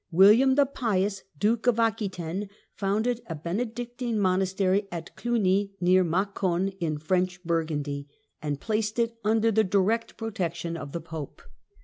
William the Pious, Duke of Aquitaine, founded a Benedictine monastery at Cluny, near Macon, in French Burgundy, and placed it under the direct protection of the Pope.